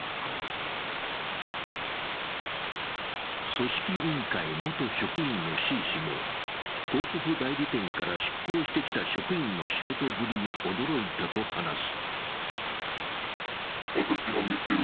組織委員会元職員のＣ氏も広告代理店から出向してきた職員の仕事ぶりに驚いたと話す。